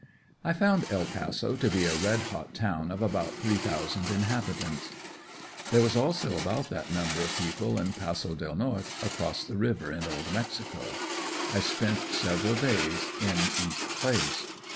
I found El Paso, to be a red hot town of about three thousand inhabitants. There were also about that number of people in Paso Del Norte, across the river in Old Mexico. I spent several days in each place.